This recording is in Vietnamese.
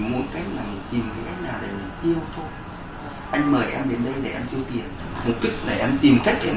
muốn cách làm tìm cách nào để mình yêu anh mời em đến đây để em tiêu tiền một cực để em tìm cách em